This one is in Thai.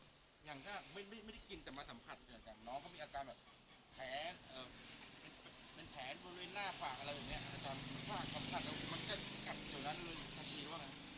อย่างถ้าไม่ได้กินแต่มาสัมผัสเหมือนกันน้องก็มีอาการแบบแผนแผนบนเรื่องหน้าฝากอะไรแบบนี้อาจารย์ภาคคำถามว่ามันจะกัดอยู่ร้านรุนทัชชีวะไง